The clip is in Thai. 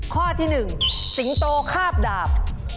ข้อที่๑สิงโตคาบดาบ